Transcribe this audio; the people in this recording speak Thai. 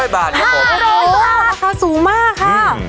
๕๐๐บาทราคาสูงมากค่ะ